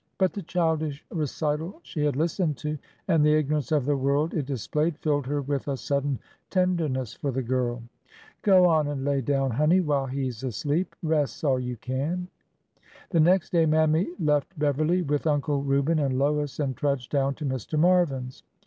But the childish recital she had listened to, and the ignorance of the world it displayed, filled her with a sudden tenderness for the girl. '' Go on an' lay down, honey, while he 's asleep. Res' all you kin." The next day Mammy left Beverly with Uncle Reuben and Lois, and trudged down to Mr. Marvin's.